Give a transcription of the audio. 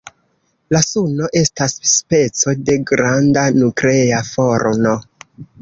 La Suno estas speco de granda nuklea forno.